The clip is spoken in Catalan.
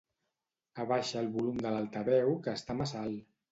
Abaixa el volum de l'altaveu que està massa alt.